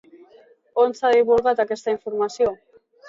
On s'ha divulgat aquesta informació?